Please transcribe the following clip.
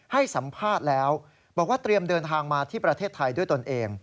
ให้สัมภาษณ์แล้วบอกว่าเตรียมเดินทางมาที่ประเทศไทยด้วยตนเอง